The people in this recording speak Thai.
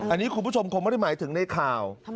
อันนี้คุณผู้ชมผมไม่จำเป็นในข่าว